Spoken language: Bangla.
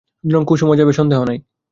সুতরাং কুসুমও যাইবে সন্দেহ নাই।